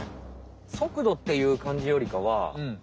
そくどっていう感じよりかは。